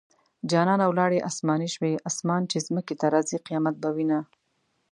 جانانه ولاړې اسماني شوې - اسمان چې ځمکې ته راځي؛ قيامت به وينه